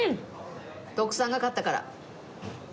徳さんが勝ったから。